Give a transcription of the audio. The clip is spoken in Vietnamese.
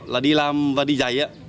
là đi làm và đi giày á